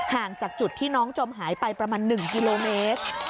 ห่างจากจุดที่น้องจมหายไปประมาณ๑กิโลเมตร